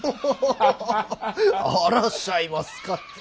あらしゃいますかって。